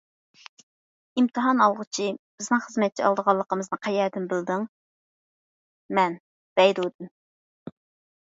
ئىمتىھان ئالغۇچى:بىزنىڭ خىزمەتچى ئالىدىغانلىقىمىزنى قەيەردىن بىلدىڭ؟ مەن: بەيدۇدىن.